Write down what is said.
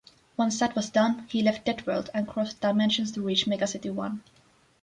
Once that was done, he left "Deadworld" and crossed dimensions to reach Mega-City One.